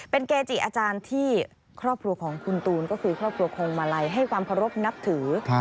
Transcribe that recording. เป็นเกจิอาจารย์ที่ครอบครัวของคุณตูนก็คือครอบครัวคงมาลัยให้ความเคารพนับถือ